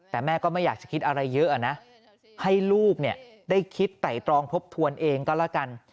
แต่แม่ก็ไม่อยากจะคิดอะไรเยอะนะให้ลูกได้คิดไต่ตรองทบทวนเองก็แล้วกัน